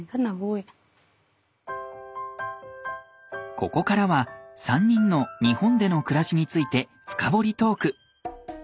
ここからは３人の日本での暮らしについて深掘りトーク！